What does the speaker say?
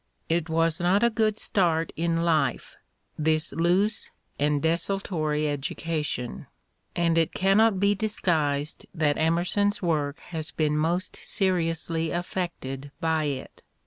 It was not a good start in life, this loose and desultory education, and it cannot be disguised that Emerson's work has been most seriously aflEected by it.